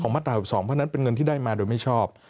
มาตรา๑๒เพราะฉะนั้นเป็นเงินที่ได้มาโดยไม่ชอบ